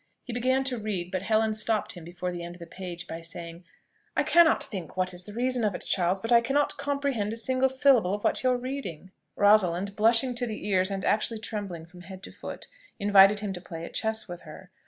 He began to read; but Helen stopped him before the end of the page, by saying, "I cannot think what is the reason of it, Charles, but I cannot comprehend a single syllable of what you are reading." Rosalind, blushing to the ears, and actually trembling from head to foot, invited him to play at chess with her.